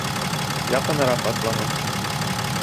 Яҡыныраҡ атланы.